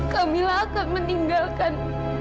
kamila akan meninggalkan